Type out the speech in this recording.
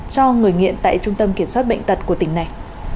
cho người nghiện tại trung tâm kiểm soát bệnh tật của tỉnh này